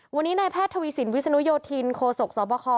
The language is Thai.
วันนี้นายแพทย์ทวีสินวิศนุโยธินโคศกสบค